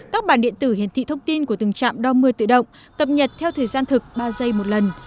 các bản điện tử hiển thị thông tin của từng trạm đo mưa tự động cập nhật theo thời gian thực ba giây một lần